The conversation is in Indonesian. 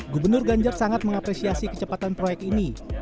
gubernur ganjar sangat mengapresiasi kecepatan proyek ini